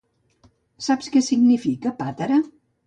Saps què significa pàtera?